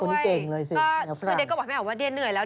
คุณเก่งเลยสิเด็กก็บอกแม่ว่าเดี๋ยวเหนื่อยแล้ว